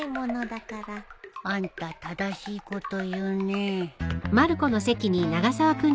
あんた正しいこと言うね。